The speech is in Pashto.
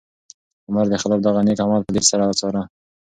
عمر د غلام دغه نېک عمل په ځیر سره څاره.